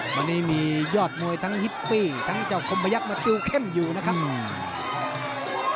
วันนี้มียอดมวยทั้งฮิปปี้ทั้งเจ้าคมพยักษ์มาติวเข้มอยู่นะครับ